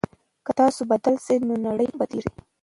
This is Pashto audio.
که تاسو بدل شئ نو نړۍ بدليږي.